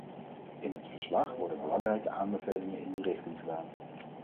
In het verslag worden belangrijke aanbevelingen in die richting gedaan.